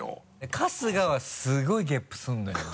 春日はすごいゲップするのよ。